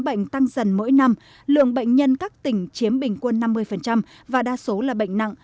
bệnh tăng dần mỗi năm lượng bệnh nhân các tỉnh chiếm bình quân năm mươi và đa số là bệnh nặng